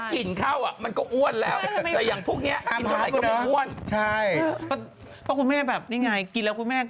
คิ้วสำคัญจริงคุณแม่